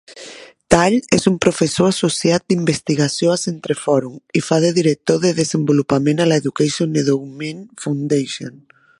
Tall és un professor associat d'investigació a CentreForum i fa de director de desenvolupament a la Education Endowment Foundation.